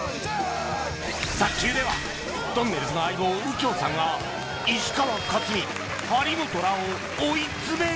卓球ではとんねるずの相棒右京さんが石川佳純張本らを追い詰める！？